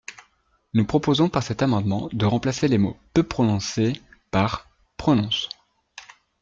Nous proposons par cet amendement de remplacer les mots « peut prononcer » par « prononce ».